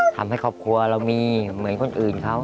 ทำให้ครอบครัวเรามีเหมือนคนอื่นเขา